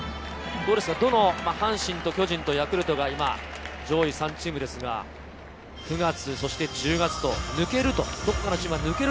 阪神、巨人、ヤクルトが上位３チームですが、９月、そして１０月と抜ける。